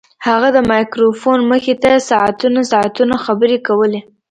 هغه د مایکروفون مخې ته ساعتونه ساعتونه خبرې کولې